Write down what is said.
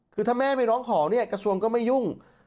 คือถ้าแม่ไปร้องขอเนี่ยกระทรวงก็ไม่ยุ่ง